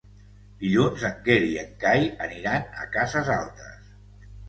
Dilluns en Quer i en Cai aniran a Cases Altes.